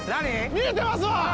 見えてますわ！